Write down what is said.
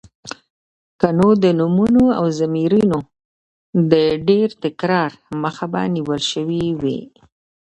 که نو د نومونو او ضميرونو د ډېر تکرار مخه به نيول شوې وې.